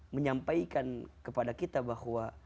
menyampaikan kepada kita bahwa